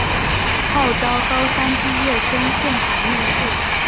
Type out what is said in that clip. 号召高三毕业生现场面试